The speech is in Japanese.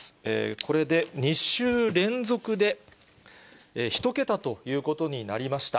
これで２週連続で１桁ということになりました。